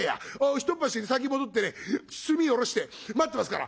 ひとっ走り先戻ってね墨おろして待ってますから。